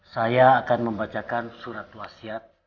saya akan membacakan surat wasiat